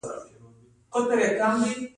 گلونه د بيا توليد لپاره بوټي راجلبوي